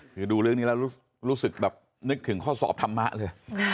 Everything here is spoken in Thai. คือดูเรื่องนี้แล้วรู้สึกแบบนึกถึงข้อสอบธรรมะเลย